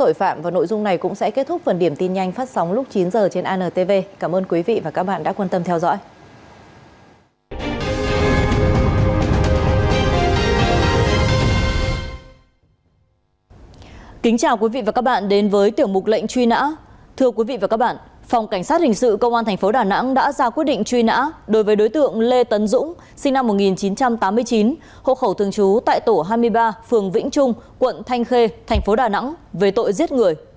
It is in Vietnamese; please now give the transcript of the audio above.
hình sự công an tp đà nẵng đã ra quyết định truy nã đối với đối tượng lê tấn dũng sinh năm một nghìn chín trăm tám mươi chín hộ khẩu thường trú tại tổ hai mươi ba phường vĩnh trung quận thanh khê tp đà nẵng về tội giết người